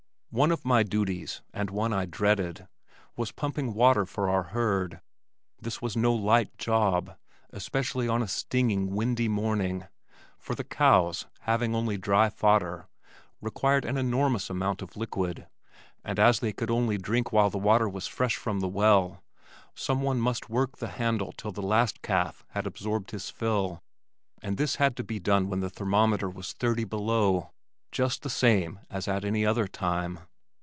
One of my duties, and one that I dreaded, was pumping water for our herd. This was no light job, especially on a stinging windy morning, for the cows, having only dry fodder, required an enormous amount of liquid, and as they could only drink while the water was fresh from the well, some one must work the handle till the last calf had absorbed his fill and this had to be done when the thermometer was thirty below, just the same as at any other time.